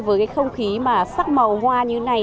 với cái không khí mà sắc màu hoa như này